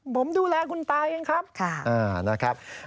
ผมดูแลคุณตาเองครับนะครับ